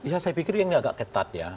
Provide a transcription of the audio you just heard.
ya saya pikir ini agak ketat ya